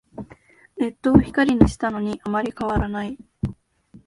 ネットを光にしたのにあんまり変わらない